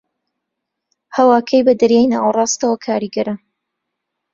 ھەواکەی بە دەریای ناوەڕاستەوە کاریگەرە